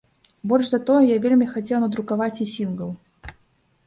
Больш за тое, я вельмі хацеў надрукаваць і сінгл.